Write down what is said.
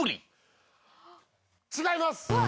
違います。